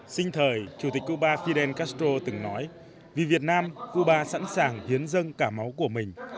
sinh thời chủ tịch cuba fidel castro từng nói vì việt nam cuba sẵn sàng hiến dân cả máu của mình